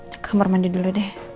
ke kamar mandi dulu deh